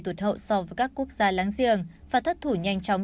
tụt hậu so với các quốc gia láng giềng và thất thủ nhanh chóng